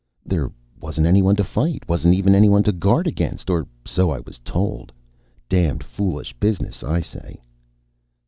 "There wasn't anyone to fight. Wasn't even anyone to guard against, or so I was told. Damned foolish business, I say."